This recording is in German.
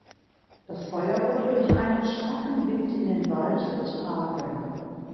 Das Feuer wurde durch einen starken Wind in den Wald getragen.